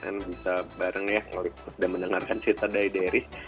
ya kita bareng ya kalau sudah mendengarkan cerita dari darius